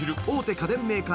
家電メーカー